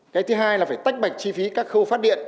cái thứ hai là phải tách bạch chi phí các khâu phát điện